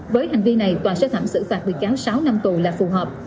với hành vi này tòa sơ thẩm xử phạt bị cáo sáu năm tù là phù hợp